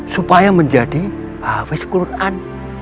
supaya menjadi hafiz quran